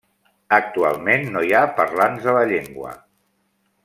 Actualment no hi ha parlants de la llengua.